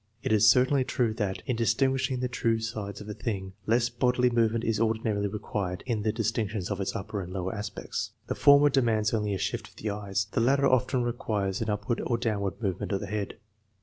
It is certainly true that, in distinguishing the two sides of a thing, less bodily movement is ordinarily required than in distinctions of its upper and lower aspects. The former demands rm]y p gkrfj nf tih^ ^/gg , the latter often requires an upward or downward movement of the head.